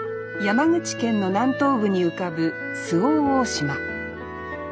山口県の南東部に浮かぶ周防大島。